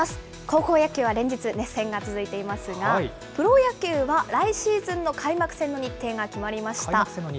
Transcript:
高校野球は連日、熱戦が続いていますが、プロ野球は来シーズンの開幕戦の日程が決まりました。